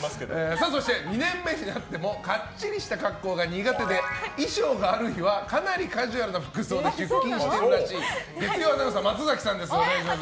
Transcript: そして、２年目になってもかっちりした格好が苦手で衣装がある日はかなりカジュアルな服装で出勤しているらしい月曜アナウンサー松崎さんです、お願いします。